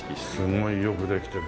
すごいよくできてる。